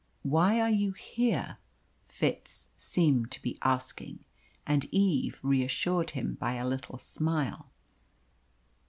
"Why are you here?" Fitz seemed to be asking. And Eve reassured him by a little smile.